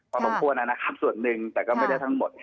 พอสมควรนะครับส่วนหนึ่งแต่ก็ไม่ได้ทั้งหมด